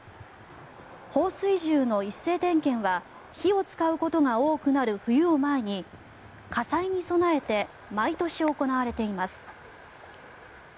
放水銃の一斉点検は火を使うことが多くなる冬を前に火災に備えて毎年行われています。